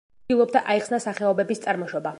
ცდილობდა აეხსნა სახეობების წარმოშობა.